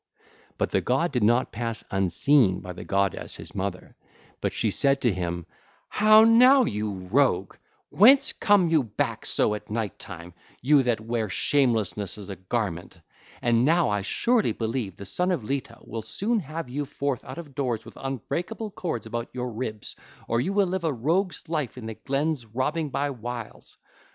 155 161) But the god did not pass unseen by the goddess his mother; but she said to him: 'How now, you rogue! Whence come you back so at night time, you that wear shamelessness as a garment? And now I surely believe the son of Leto will soon have you forth out of doors with unbreakable cords about your ribs, or you will live a rogue's life in the glens robbing by whiles.